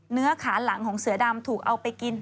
เนื้อขาหลังของเสือดำถูกเอาไปกิน